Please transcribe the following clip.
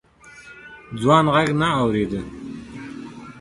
ځوان غږ نه اورېده.